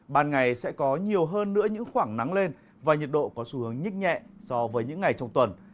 ban ngày sẽ có nhiều hơn nữa những khoảng nắng lên và nhiệt độ có xu hướng nhích nhẹ so với những ngày trong tuần